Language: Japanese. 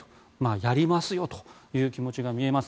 やりますよという気持ちが見えます。